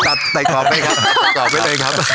ตัดใส่กรอบไว้ครับ